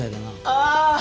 ああ！